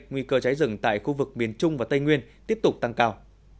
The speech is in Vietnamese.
nguy cơ cháy rừng tại khu vực miền trung và tây nguyên tiếp tục tăng cao